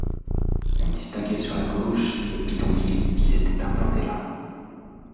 On distinguait sur la gauche les bidonvilles qui s’étaient implantés là.